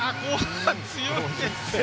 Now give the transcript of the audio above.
強いですね。